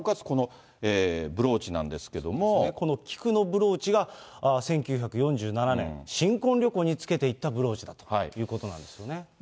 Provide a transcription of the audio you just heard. このブローチなんですけこの菊のブローチが１９４７年、新婚旅行につけていったブローチだということなんですよね。